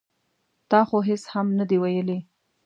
ـ تا خو هېڅ هم نه دي ویلي.